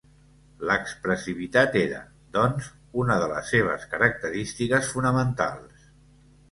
L'expressivitat era, doncs, una de les seves característiques fonamentals.